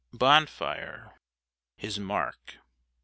BONFIRE His * Mark.